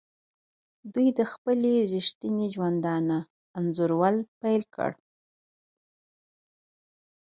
دوی د خلکو ریښتیني ژوندانه انځورول پیل کړل.